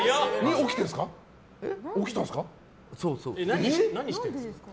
起きてるんですか？